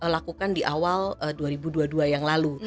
lakukan di awal dua ribu dua puluh dua yang lalu